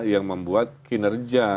yang membuat kinerja